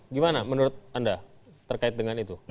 gimana menurut anda terkait dengan itu